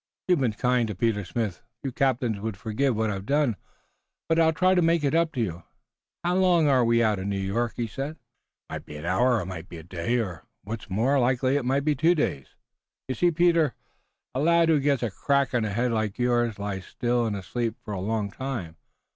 "You've been kind to Peter Smith. Few captains would forgive what I've done, but I'll try to make it up to you. How long are we out from New York?" he said. "It might be an hour or it might be a day or what's more likely it might be two days. You see, Peter, a lad who gets a crack on the head like yours lies still and asleep for a long time.